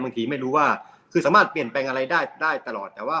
ไม่รู้ว่าคือสามารถเปลี่ยนแปลงอะไรได้ตลอดแต่ว่า